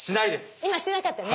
今してなかったね。